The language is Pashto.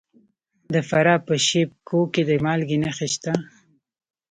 د فراه په شیب کوه کې د مالګې نښې شته.